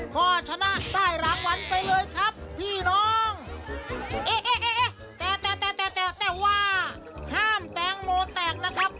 ก็ชนะได้รางวัลไปเลยครับพี่น้องเอ๊ะแต่แต่แต่ว่าห้ามแตงโมแตกนะครับ